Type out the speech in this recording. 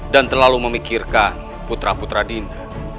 dan terlalu memikirkan putra putra dinda